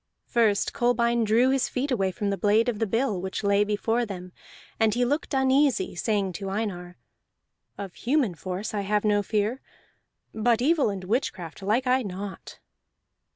First Kolbein drew his feet away from the blade of the bill which lay before them; and he looked uneasy, saying to Einar: "Of human force I have no fear, but evil and witchcraft like I not."